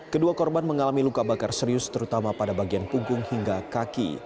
kedua korban mengalami luka bakar serius terutama pada bagian punggung hingga kaki